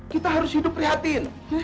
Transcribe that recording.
kita harus hidup prihatin